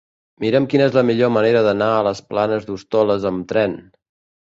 Mira'm quina és la millor manera d'anar a les Planes d'Hostoles amb tren.